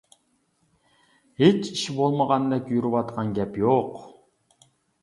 ھېچ ئىش بولمىغاندەك يۈرۈۋاتقان گەپ يوق.